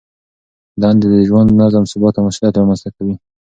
دندې د ژوند نظم، ثبات او مسؤلیت رامنځته کوي.